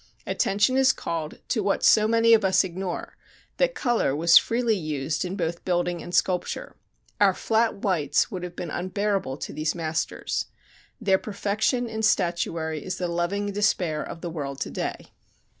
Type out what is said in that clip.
Attention is called to what so many of us ignore, that color was freely used in both building and sculpture. Our flat whites would have been unbearable to these masters. Their perfection in statuary is the loving despair of the world to day.